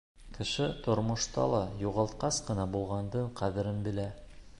Кеше тормошта ла юғалтҡас ҡына булғандың ҡәҙерен белә.